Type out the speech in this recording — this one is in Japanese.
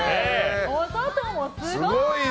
お外もすごい！